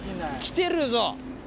きてるぞ！